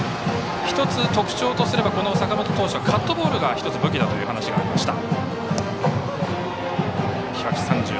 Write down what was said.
１つ、特徴とすると坂本投手はカットボールが１つ武器だという話がありました。